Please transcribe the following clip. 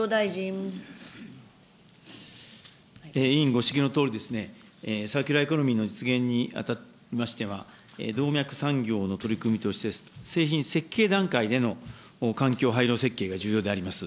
委員ご指摘のとおりですね、サーキュラーエコノミーの実現にあたりましては、動脈産業の取り組みとして、製品設計での環境配慮設計が重要であります。